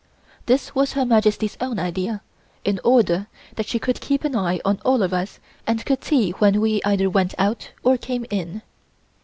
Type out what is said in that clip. This was Her Majesty's own idea, in order that she could keep an eye on all of us and could see when we either went out or came in.